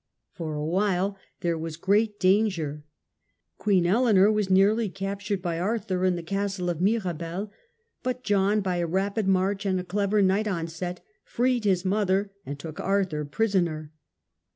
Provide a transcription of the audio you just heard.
For a while there was great danger. Queen Eleanor was nearly captured by Arthur in the castle of Mirabel; but John by a rapid march and a clever night onset, freed his mother and took Arthur prisoner.